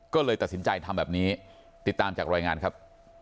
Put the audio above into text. ก็เลยตัดสินใจทำแบบนี้ติดตามจากรายงานครับ